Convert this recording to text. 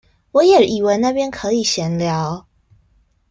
我也以為那邊可以閒聊